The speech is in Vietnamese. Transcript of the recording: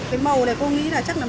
cái màu này cô nghĩ là chắc là mẫu